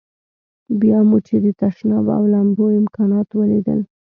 بیا مو چې د تشناب او لمبو امکانات ولیدل.